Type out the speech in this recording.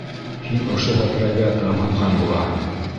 Һин ошо һәпрәгә ымһынған булаһың!